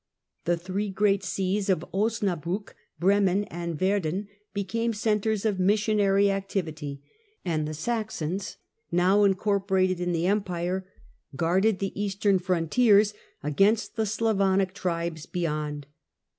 The three great Sees of Osnabruck, Bremen and Verden became centres of mis sionary activity, and the Saxons, now incorporated in the Empire, guarded the eastern frontiers against the Sla vonic tribes beyond.